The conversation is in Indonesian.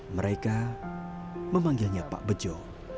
mereka memanggilnya pak bejo